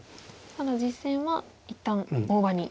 ただ実戦は一旦大場に。